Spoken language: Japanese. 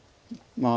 まあ。